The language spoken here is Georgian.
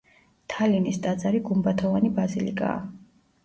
თალინის ტაძარი გუმბათოვანი ბაზილიკაა.